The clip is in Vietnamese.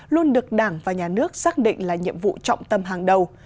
luôn được đảng và nhà nước xác định là nhiệm vụ trọng tâm hàng đầu